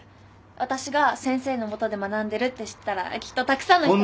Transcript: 私が先生のもとで学んでるって知ったらきっとたくさんの人が